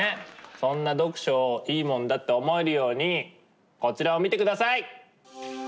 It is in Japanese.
そんな読書をいいもんだって思えるようにこちらを見てください！